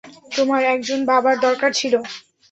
তোমার একজন বাবার দরকার ছিল।